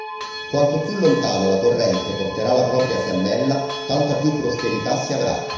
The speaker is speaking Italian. Quanto più lontano la corrente porterà la propria fiammella, tanta più prosperità si avrà.